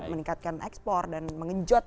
meningkatkan ekspor dan mengejot